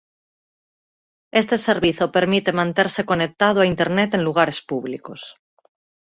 Este servizo permite manterse conectado a Internet en lugares públicos.